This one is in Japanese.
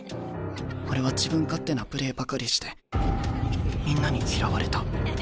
俺は自分勝手なプレーばかりしてみんなに嫌われた。